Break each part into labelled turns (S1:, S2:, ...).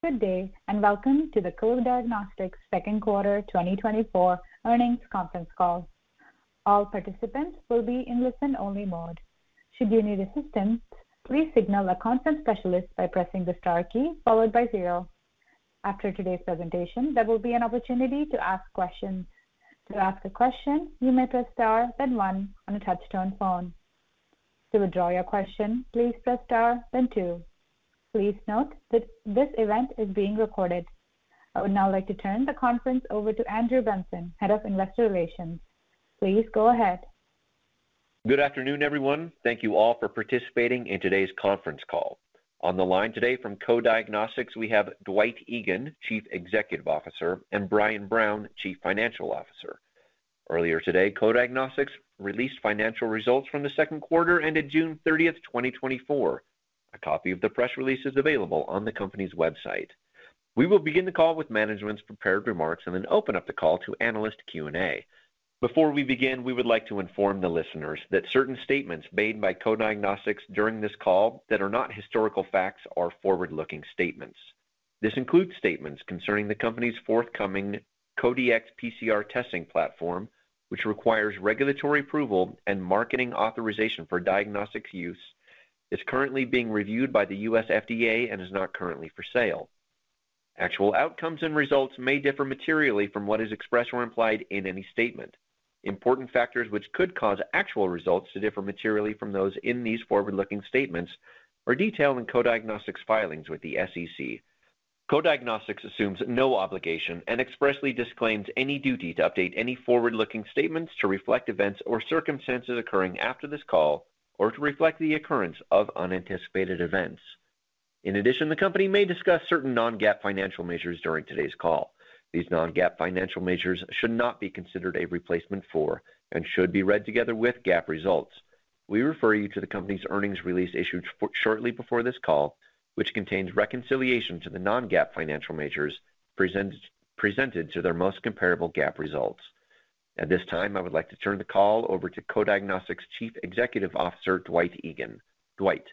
S1: Good day, and welcome to the Co-Diagnostics second quarter 2024 earnings conference call. All participants will be in listen-only mode. Should you need assistance, please signal a conference specialist by pressing the star key followed by zero. After today's presentation, there will be an opportunity to ask questions. To ask a question, you may press star, then one on a touch-tone phone. To withdraw your question, please press star, then two. Please note that this event is being recorded. I would now like to turn the conference over to Andrew Benson, Head of Investor Relations. Please go ahead.
S2: Good afternoon, everyone. Thank you all for participating in today's conference call. On the line today from Co-Diagnostics, we have Dwight Egan, Chief Executive Officer, and Brian Brown, Chief Financial Officer. Earlier today, Co-Diagnostics released financial results from the second quarter, ended June 30, 2024. A copy of the press release is available on the company's website. We will begin the call with management's prepared remarks and then open up the call to analyst Q&A. Before we begin, we would like to inform the listeners that certain statements made by Co-Diagnostics during this call that are not historical facts are forward-looking statements. This includes statements concerning the company's forthcoming Co-Dx PCR testing platform, which requires regulatory approval and marketing authorization for diagnostics use, is currently being reviewed by the U.S. FDA and is not currently for sale. Actual outcomes and results may differ materially from what is expressed or implied in any statement. Important factors which could cause actual results to differ materially from those in these forward-looking statements are detailed in Co-Diagnostics' filings with the SEC. Co-Diagnostics assumes no obligation and expressly disclaims any duty to update any forward-looking statements to reflect events or circumstances occurring after this call or to reflect the occurrence of unanticipated events. In addition, the company may discuss certain non-GAAP financial measures during today's call. These non-GAAP financial measures should not be considered a replacement for and should be read together with GAAP results. We refer you to the company's earnings release issued shortly before this call, which contains reconciliation to the non-GAAP financial measures presented to their most comparable GAAP results. At this time, I would like to turn the call over to Co-Diagnostics' Chief Executive Officer, Dwight Egan. Dwight?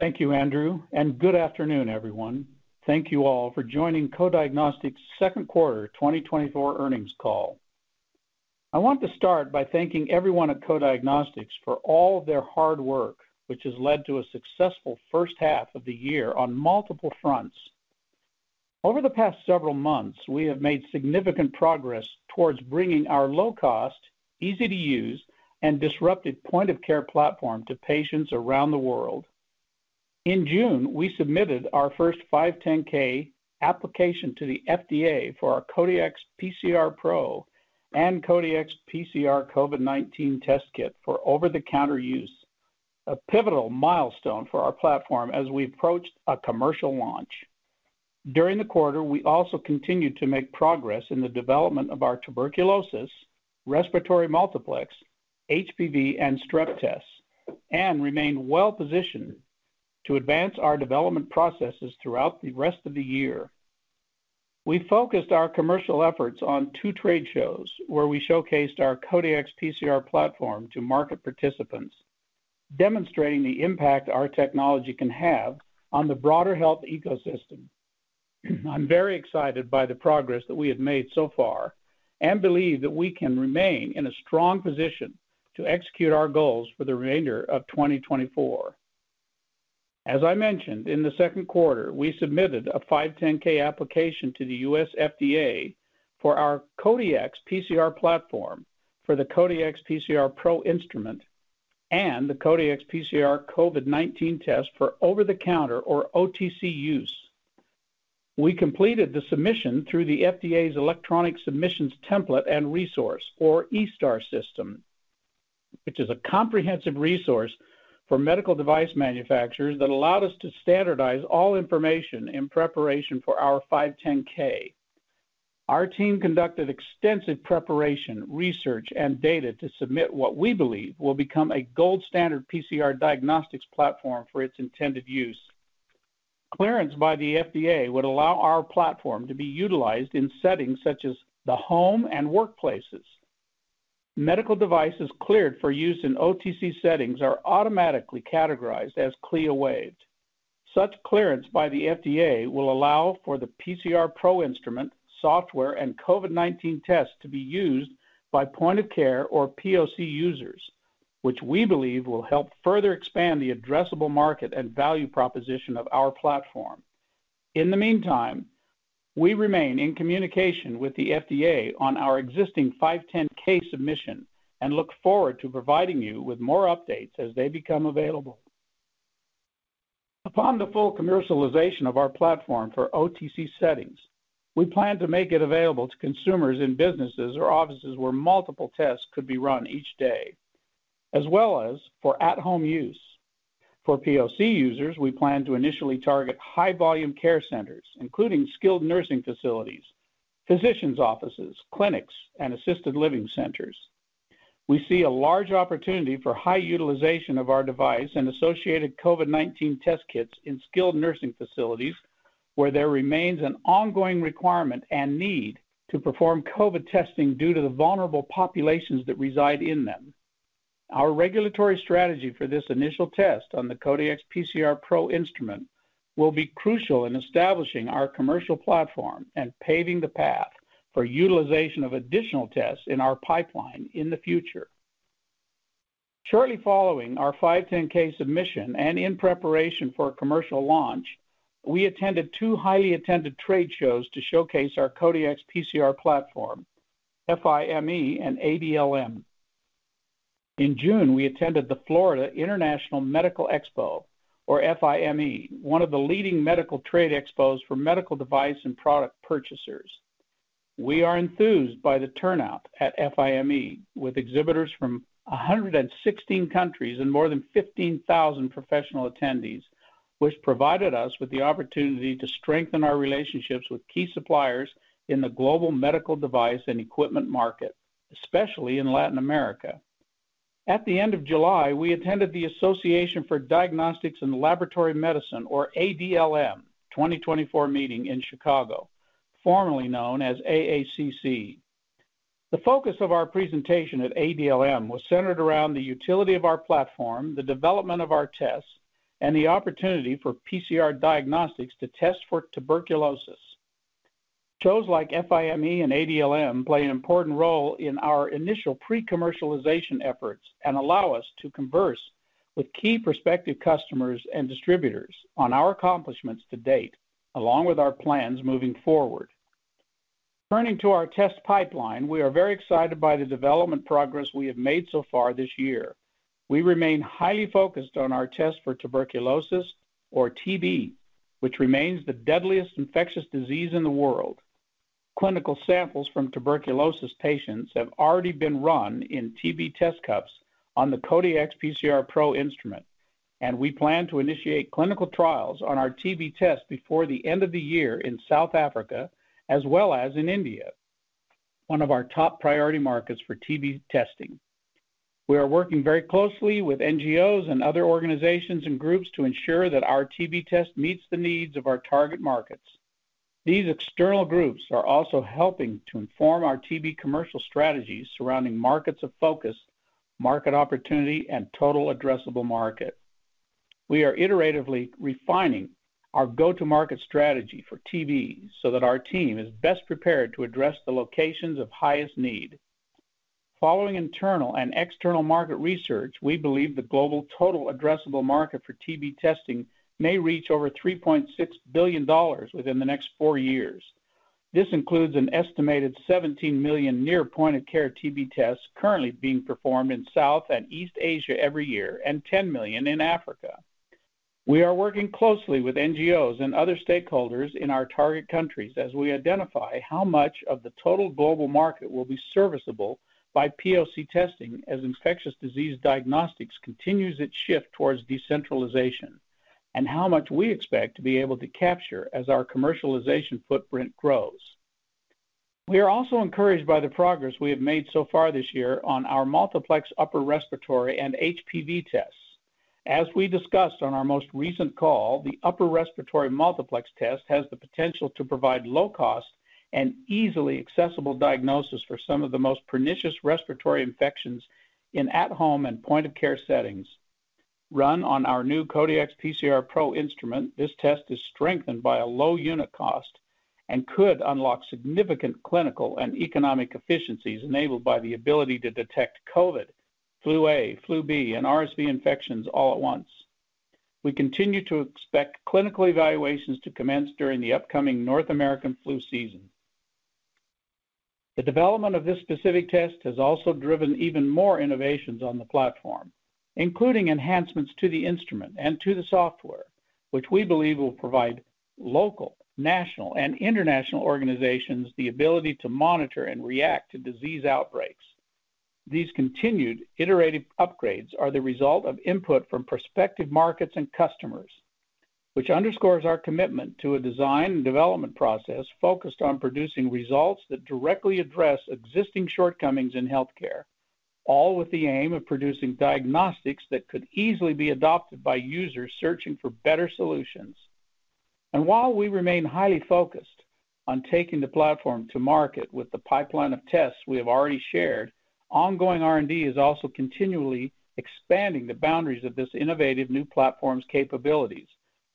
S3: Thank you, Andrew, and good afternoon, everyone. Thank you all for joining Co-Diagnostics' second quarter 2024 earnings call. I want to start by thanking everyone at Co-Diagnostics for all of their hard work, which has led to a successful first half of the year on multiple fronts. Over the past several months, we have made significant progress towards bringing our low-cost, easy-to-use, and disruptive point-of-care platform to patients around the world. In June, we submitted our first 510(k) application to the FDA for our Co-Dx PCR Pro and Co-Dx PCR COVID-19 test kit for over-the-counter use, a pivotal milestone for our platform as we approached a commercial launch. During the quarter, we also continued to make progress in the development of our tuberculosis, respiratory multiplex, HPV, and strep tests, and remain well-positioned to advance our development processes throughout the rest of the year. We focused our commercial efforts on two trade shows, where we showcased our CoDx PCR platform to market participants, demonstrating the impact our technology can have on the broader health ecosystem. I'm very excited by the progress that we have made so far and believe that we can remain in a strong position to execute our goals for the remainder of 2024. As I mentioned, in the second quarter, we submitted a 510(k) application to the U.S. FDA for our CoDx PCR platform, for the CoDx PCR Pro instrument, and the CoDx PCR COVID-19 test for over-the-counter or OTC use. We completed the submission through the FDA's Electronic Submission Template and Resource, or eSTAR system, which is a comprehensive resource for medical device manufacturers that allowed us to standardize all information in preparation for our 510(k). Our team conducted extensive preparation, research, and data to submit what we believe will become a gold standard PCR diagnostics platform for its intended use. Clearance by the FDA would allow our platform to be utilized in settings such as the home and workplaces. Medical devices cleared for use in OTC settings are automatically categorized as CLIA-waived. Such clearance by the FDA will allow for the PCR Pro instrument, software, and COVID-19 tests to be used by point-of-care or POC users, which we believe will help further expand the addressable market and value proposition of our platform. In the meantime, we remain in communication with the FDA on our existing 510(k) submission and look forward to providing you with more updates as they become available. Upon the full commercialization of our platform for OTC settings, we plan to make it available to consumers in businesses or offices where multiple tests could be run each day, as well as for at-home use. For POC users, we plan to initially target high-volume care centers, including skilled nursing facilities, physicians' offices, clinics, and assisted living centers. We see a large opportunity for high utilization of our device and associated COVID-19 test kits in skilled nursing facilities, where there remains an ongoing requirement and need to perform COVID testing due to the vulnerable populations that reside in them. Our regulatory strategy for this initial test on the Co-Dx PCR Pro instrument will be crucial in establishing our commercial platform and paving the path for utilization of additional tests in our pipeline in the future. Shortly following our 510(k) submission and in preparation for a commercial launch, we attended two highly attended trade shows to showcase our Co-Dx PCR platform, FIME and ADLM. In June, we attended the Florida International Medical Expo, or FIME, one of the leading medical trade expos for medical device and product purchasers. We are enthused by the turnout at FIME, with exhibitors from 116 countries and more than 15,000 professional attendees, which provided us with the opportunity to strengthen our relationships with key suppliers in the global medical device and equipment market, especially in Latin America. At the end of July, we attended the Association for Diagnostics and Laboratory Medicine, or ADLM, 2024 meeting in Chicago, formerly known as AACC. The focus of our presentation at ADLM was centered around the utility of our platform, the development of our tests, and the opportunity for PCR diagnostics to test for tuberculosis. Shows like FIME and ADLM play an important role in our initial pre-commercialization efforts and allow us to converse with key prospective customers and distributors on our accomplishments to date, along with our plans moving forward. Turning to our test pipeline, we are very excited by the development progress we have made so far this year. We remain highly focused on our test for tuberculosis, or TB, which remains the deadliest infectious disease in the world. Clinical samples from tuberculosis patients have already been run in TB test cups on the Co-Dx PCR Pro instrument, and we plan to initiate clinical trials on our TB test before the end of the year in South Africa, as well as in India, one of our top priority markets for TB testing. We are working very closely with NGOs and other organizations and groups to ensure that our TB test meets the needs of our target markets. These external groups are also helping to inform our TB commercial strategies surrounding markets of focus, market opportunity, and total addressable market. We are iteratively refining our go-to-market strategy for TB so that our team is best prepared to address the locations of highest need. Following internal and external market research, we believe the global total addressable market for TB testing may reach over $3.6 billion within the next four years. This includes an estimated 17 million near point-of-care TB tests currently being performed in South and East Asia every year, and 10 million in Africa. We are working closely with NGOs and other stakeholders in our target countries as we identify how much of the total global market will be serviceable by POC testing, as infectious disease diagnostics continues its shift towards decentralization, and how much we expect to be able to capture as our commercialization footprint grows. We are also encouraged by the progress we have made so far this year on our multiplex upper respiratory and HPV tests. As we discussed on our most recent call, the upper respiratory multiplex test has the potential to provide low cost and easily accessible diagnosis for some of the most pernicious respiratory infections in at-home and point-of-care settings. Run on our new Co-Dx PCR Pro instrument, this test is strengthened by a low unit cost and could unlock significant clinical and economic efficiencies enabled by the ability to detect COVID, flu A, flu B, and RSV infections all at once. We continue to expect clinical evaluations to commence during the upcoming North American flu season. The development of this specific test has also driven even more innovations on the platform, including enhancements to the instrument and to the software, which we believe will provide local, national, and international organizations the ability to monitor and react to disease outbreaks. These continued iterative upgrades are the result of input from prospective markets and customers, which underscores our commitment to a design and development process focused on producing results that directly address existing shortcomings in healthcare, all with the aim of producing diagnostics that could easily be adopted by users searching for better solutions. While we remain highly focused on taking the platform to market with the pipeline of tests we have already shared, ongoing R&D is also continually expanding the boundaries of this innovative new platform's capabilities,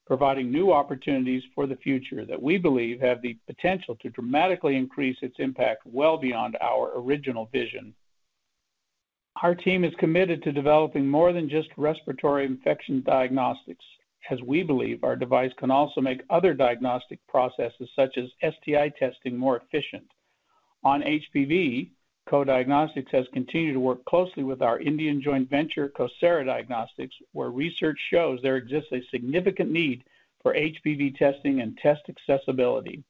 S3: providing new opportunities for the future that we believe have the potential to dramatically increase its impact well beyond our original vision. Our team is committed to developing more than just respiratory infection diagnostics, as we believe our device can also make other diagnostic processes, such as STI testing, more efficient. On HPV, Co-Diagnostics has continued to work closely with our Indian joint venture, CoSara Diagnostics, where research shows there exists a significant need for HPV testing and test accessibility.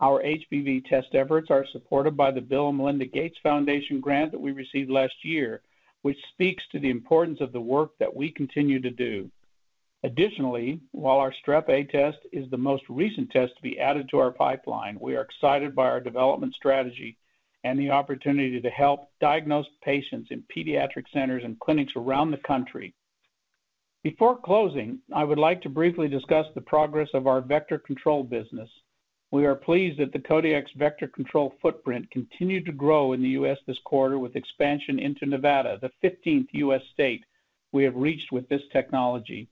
S3: Our HPV test efforts are supported by the Bill & Melinda Gates Foundation grant that we received last year, which speaks to the importance of the work that we continue to do. Additionally, while our Strep A test is the most recent test to be added to our pipeline, we are excited by our development strategy and the opportunity to help diagnose patients in pediatric centers and clinics around the country. Before closing, I would like to briefly discuss the progress of our vector control business. We are pleased that the Co-Dx's vector control footprint continued to grow in the U.S. this quarter, with expansion into Nevada, the fifteenth U.S. state we have reached with this technology.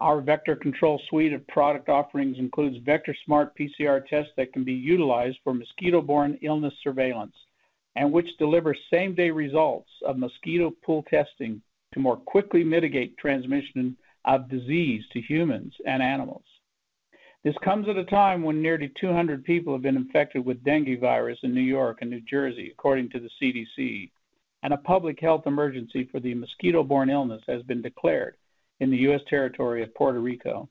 S3: Our vector control suite of product offerings includes Vector Smart PCR tests that can be utilized for mosquito-borne illness surveillance, and which delivers same-day results of mosquito pool testing to more quickly mitigate transmission of disease to humans and animals. This comes at a time when nearly 200 people have been infected with dengue virus in New York and New Jersey, according to the CDC, and a public health emergency for the mosquito-borne illness has been declared in the U.S. territory of Puerto Rico.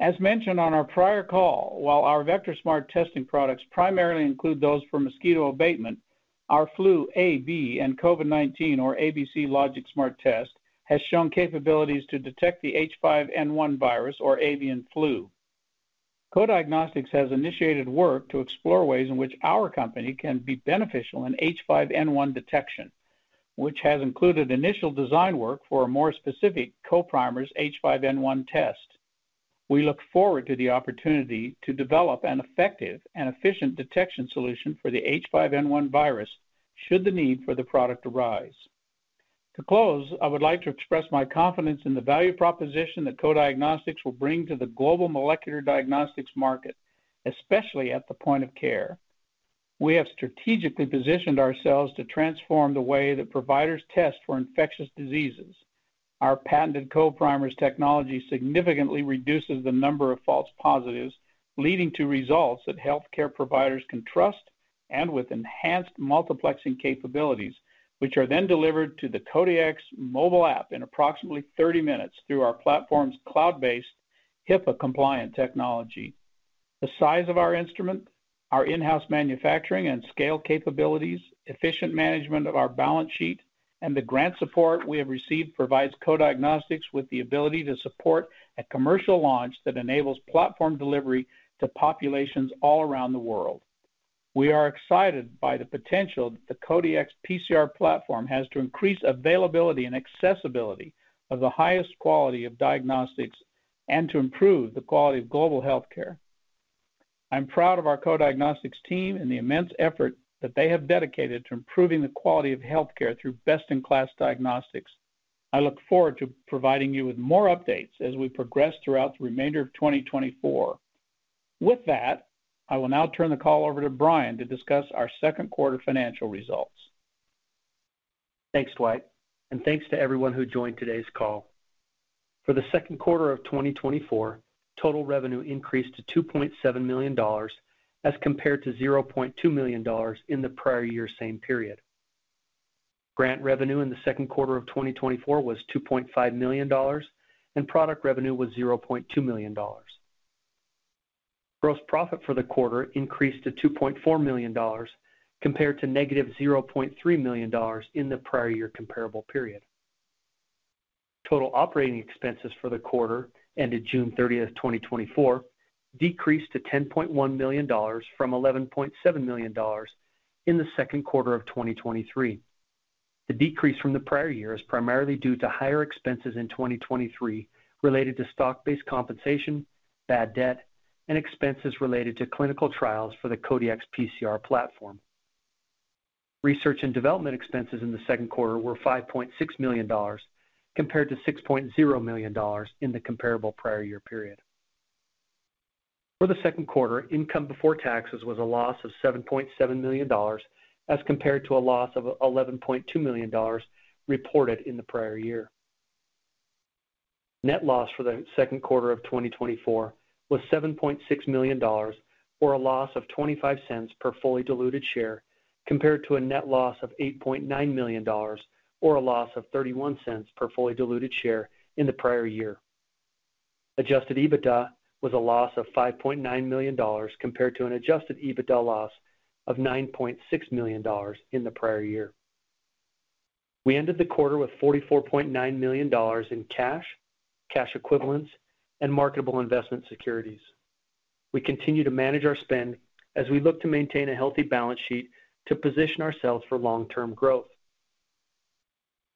S3: As mentioned on our prior call, while our Vector Smart testing products primarily include those for mosquito abatement, our flu A/B and COVID-19 or ABC Logix Smart test has shown capabilities to detect the H5N1 virus or avian flu. Co-Diagnostics has initiated work to explore ways in which our company can be beneficial in H5N1 detection, which has included initial design work for a more specific CoPrimers H5N1 test. We look forward to the opportunity to develop an effective and efficient detection solution for the H5N1 virus, should the need for the product arise. To close, I would like to express my confidence in the value proposition that Co-Diagnostics will bring to the global molecular diagnostics market, especially at the point of care. We have strategically positioned ourselves to transform the way that providers test for infectious diseases. Our patented CoPrimers technology significantly reduces the number of false positives, leading to results that healthcare providers can trust and with enhanced multiplexing capabilities, which are then delivered to the Co-Dx mobile app in approximately 30 minutes through our platform's cloud-based, HIPAA-compliant technology. The size of our instrument, our in-house manufacturing and scale capabilities, efficient management of our balance sheet, and the grant support we have received provides Co-Diagnostics with the ability to support a commercial launch that enables platform delivery to populations all around the world. We are excited by the potential that the Co-Dx PCR platform has to increase availability and accessibility of the highest quality of diagnostics and to improve the quality of global healthcare. I'm proud of our Co-Diagnostics team and the immense effort that they have dedicated to improving the quality of healthcare through best-in-class diagnostics. I look forward to providing you with more updates as we progress throughout the remainder of 2024. With that, I will now turn the call over to Brian to discuss our second quarter financial results.
S4: Thanks, Dwight, and thanks to everyone who joined today's call. For the second quarter of 2024, total revenue increased to $2.7 million, as compared to $0.2 million in the prior year same period. Grant revenue in the second quarter of 2024 was $2.5 million, and product revenue was $0.2 million. Gross profit for the quarter increased to $2.4 million, compared to -$0.3 million in the prior year comparable period. Total operating expenses for the quarter, ended June 30, 2024, decreased to $10.1 million from $11.7 million in the second quarter of 2023. The decrease from the prior year is primarily due to higher expenses in 2023, related to stock-based compensation, bad debt, and expenses related to clinical trials for the Co-Dx PCR platform. Research and development expenses in the second quarter were $5.6 million, compared to $6.0 million in the comparable prior year period. For the second quarter, income before taxes was a loss of $7.7 million, as compared to a loss of $11.2 million reported in the prior year. Net loss for the second quarter of 2024 was $7.6 million, or a loss of 25 cents per fully diluted share, compared to a net loss of $8.9 million, or a loss of 31 cents per fully diluted share in the prior year. Adjusted EBITDA was a loss of $5.9 million, compared to an adjusted EBITDA loss of $9.6 million in the prior year. We ended the quarter with $44.9 million in cash, cash equivalents, and marketable investment securities. We continue to manage our spend as we look to maintain a healthy balance sheet to position ourselves for long-term growth.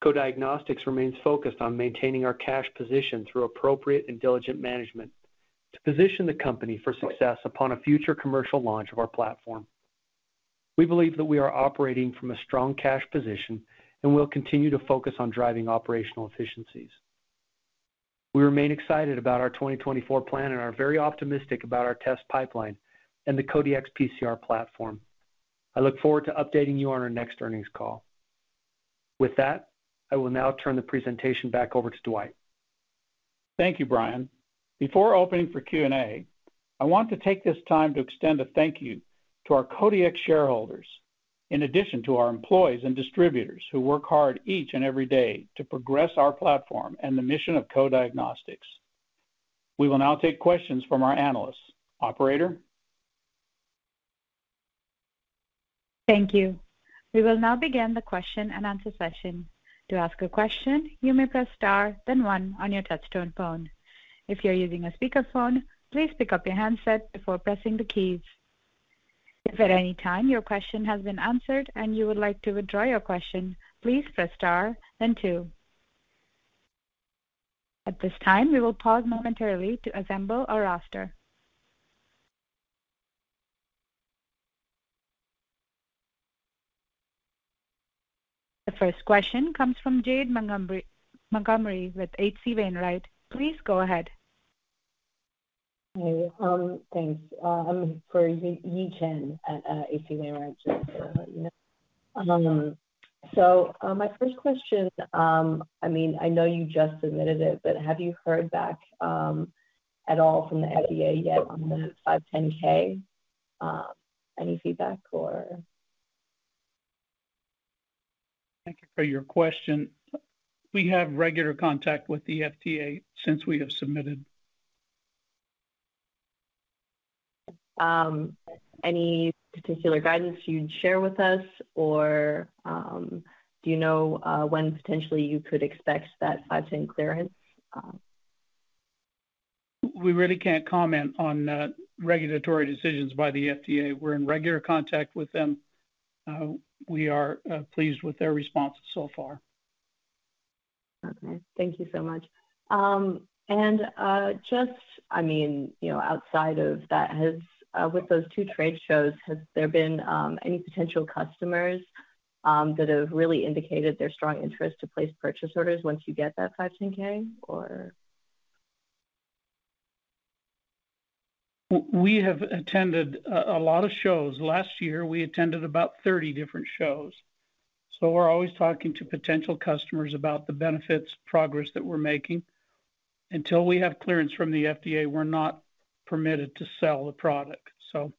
S4: Co-Diagnostics remains focused on maintaining our cash position through appropriate and diligent management to position the company for success upon a future commercial launch of our platform. We believe that we are operating from a strong cash position and will continue to focus on driving operational efficiencies. We remain excited about our 2024 plan and are very optimistic about our test pipeline and the Co-Dx PCR platform. I look forward to updating you on our next earnings call. With that, I will now turn the presentation back over to Dwight.
S3: Thank you, Brian. Before opening for Q&A, I want to take this time to extend a thank you to our Co-Dx shareholders, in addition to our employees and distributors, who work hard each and every day to progress our platform and the mission of Co-Diagnostics. We will now take questions from our analysts. Operator?
S1: Thank you. We will now begin the question and answer session. To ask a question, you may press star then one on your touchtone phone. If you're using a speakerphone, please pick up your handset before pressing the keys. If at any time your question has been answered and you would like to withdraw your question, please press star then two. At this time, we will pause momentarily to assemble our roster. The first question comes from Jade Montgomery with H.C. Wainwright. Please go ahead.
S5: Hey, thanks. I'm for Yi Chen at H.C. Wainwright, just to let you know. So, my first question, I mean, I know you just submitted it, but have you heard back at all from the FDA yet on the 510(k)? Any feedback or?
S3: Thank you for your question. We have regular contact with the FDA since we have submitted.
S5: Any particular guidance you'd share with us, or, do you know, when potentially you could expect that 510(k) clearance?
S3: We really can't comment on regulatory decisions by the FDA. We're in regular contact with them. We are pleased with their response so far.
S5: Okay. Thank you so much. And just, I mean, you know, outside of that, has with those two trade shows, has there been any potential customers that have really indicated their strong interest to place purchase orders once you get that 510(k) or?
S3: We have attended a lot of shows. Last year, we attended about 30 different shows, so we're always talking to potential customers about the benefits progress that we're making. Until we have clearance from the FDA, we're not permitted to sell the product. So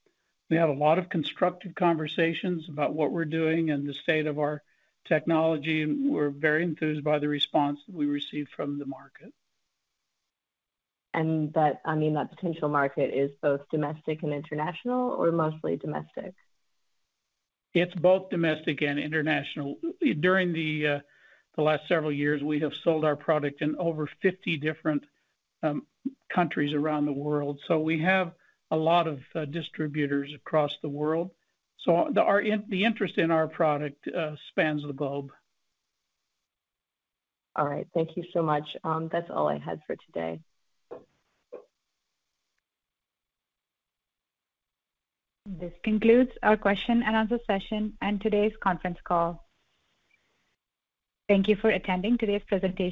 S3: we have a lot of constructive conversations about what we're doing and the state of our technology, and we're very enthused by the response we received from the market.
S5: that, I mean, that potential market is both domestic and international, or mostly domestic?
S3: It's both domestic and international. During the last several years, we have sold our product in over 50 different countries around the world, so we have a lot of distributors across the world. So our interest in our product spans the globe.
S5: All right. Thank you so much. That's all I had for today.
S1: This concludes our question and answer session and today's conference call. Thank you for attending today's presentation.